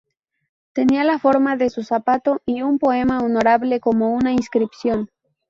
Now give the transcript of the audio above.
Tenía la forma de su zapato y un poema honorable como una inscripción.